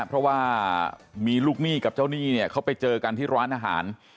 เพราะว่ามีลูกหนี้กับเจ้าหนี้เนี่ยเขาไปเจอกันที่ร้านอาหาร